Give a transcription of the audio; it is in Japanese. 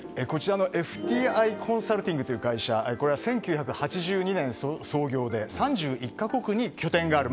ＦＴＩコンサルティングという会社は１９８２年創業で３１か国に拠点がある